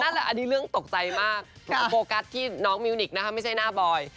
แหละอันนี้เรื่องตกใจมากโฟกัสที่น้องมิวนิกนะคะไม่ใช่หน้าบอย